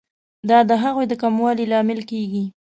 دا د هغوی د کموالي لامل کیږي.